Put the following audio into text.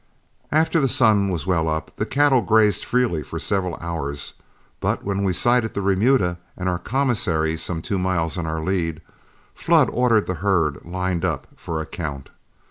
After the sun was well up, the cattle grazed freely for several hours; but when we sighted the remuda and our commissary some two miles in our lead, Flood ordered the herd lined up for a count.